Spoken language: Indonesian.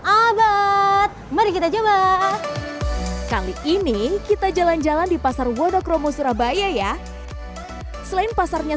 abad mari kita coba kali ini kita jalan jalan di pasar wonokromo surabaya ya selain pasarnya